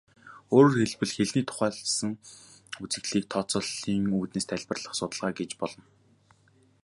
Өөрөөр хэлбэл, хэлний тухайлсан үзэгдлийг тооцооллын үүднээс тайлбарлах судалгаа гэж болно.